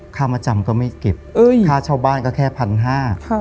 ค่ามาจำก็ไม่เก็บค่าเช่าบ้านก็แค่๑๕๐๐บาท